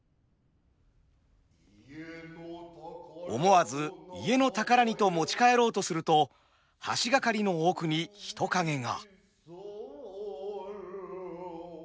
思わず家の宝にと持ち帰ろうとすると橋掛かりの奥に人影が。